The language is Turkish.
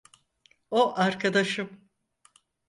O arkadaşım.